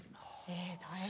え大変。